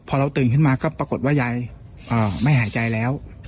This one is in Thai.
พอเราตื่นขึ้นมาก็ปรากฏว่ายายไม่หายใจแล้ว